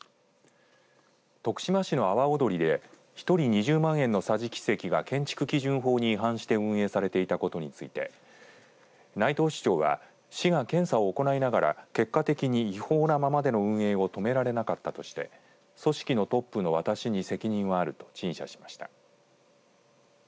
徳島市の阿波おどりで一人２０万円を桟敷席が建築基準法に違反して運営されていたことについて内藤市長は市が検査を行いながら結果的に違法なままでの運営を止められなかったとして組織のトップの私に責任はあると陳謝しました。